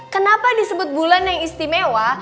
kenapa disebut bulan yang istimewa